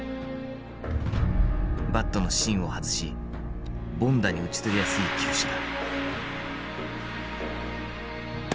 バットの芯を外し凡打に打ち取りやすい球種だ。